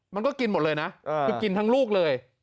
มันก็กินหมดเลยนะคือกินทั้งลูกเลย